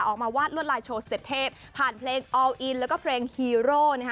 ออกมาวาดรวดลายโชว์เสพเทพผ่านเพลงออลอินแล้วก็เพลงฮีโร่